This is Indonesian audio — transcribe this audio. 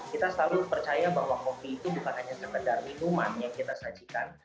kita selalu percaya bahwa kopi itu bukan hanya sekedar minuman yang kita sajikan